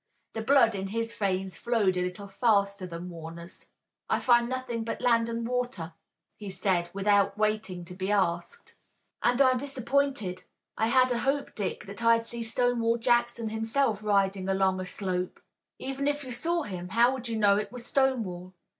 The blood in his veins flowed a little faster than Warner's. "I find nothing but land and water," he said without waiting to be asked, "and I'm disappointed. I had a hope, Dick, that I'd see Stonewall Jackson himself riding along a slope." "Even if you saw him, how would you know it was Stonewall?"